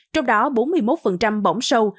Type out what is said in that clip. trong đó bốn mươi một bỏng sâu